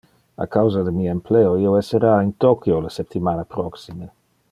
A causa de mi empleo, io essera in Tokyo le septimana proxime.